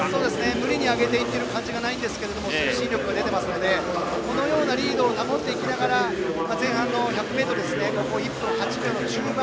無理に上げていける感じはありませんが推進力がありますのでこのようなリードを保っていきながら前半の１００ｍを１分８秒の中盤。